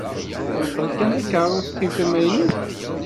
Muqel kan takeṛṛust-iw tamaynut.